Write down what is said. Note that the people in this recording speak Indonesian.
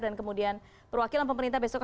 dan kemudian perwakilan pemerintah besok